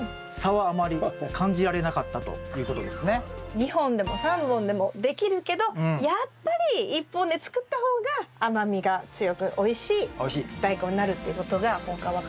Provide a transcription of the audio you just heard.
ちなみに２本でも３本でもできるけどやっぱり１本で作った方が甘みが強くおいしいダイコンになるっていうことが今回分かりましたね。